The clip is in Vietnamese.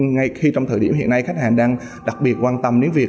ngay khi trong thời điểm hiện nay khách hàng đang đặc biệt quan tâm đến việc